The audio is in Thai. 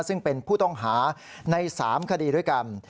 ซึ่งเป็นผู้ต้องหาใน๓คดีด้วยกัน